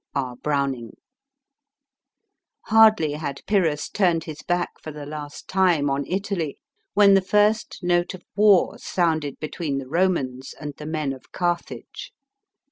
R. BROWNING. HARDLY had Pyrrhus turned his back for the last time on Italy, when the first note of war, sounded between the Romans, and the men of Carthage.